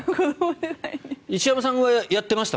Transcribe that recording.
石山さんはやってました？